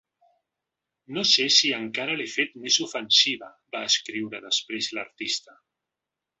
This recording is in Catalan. No sé si encara l’he fet més ofensiva, va escriure després l’artista.